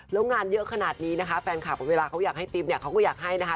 แล้วงานเยอะขนาดนี้นะคะแฟนคลับเวลาเขาอยากให้ติ๊บเนี่ยเขาก็อยากให้นะคะ